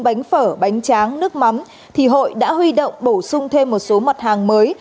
bánh phở bánh tráng nước mắm thì hội đã huy động bổ sung thêm một số mặt hàng mới